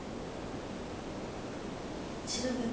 調べる。